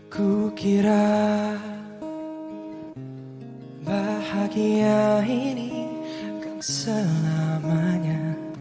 kukira bahagia ini selamanya